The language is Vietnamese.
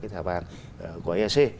cái thẻ vàng của ec